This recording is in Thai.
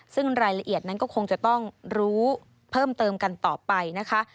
ซึ่งรายละเอียดนั้นก็คงจะต้องรู้เพิ่มเติมกันต่อไปนะคะ